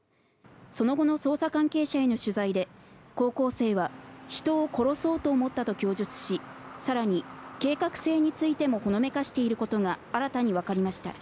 その後の捜査関係者への取材で、高校生は人を殺そうと思ったと供述し、更に計画性についてもほのめかしていることが新たに分かりました。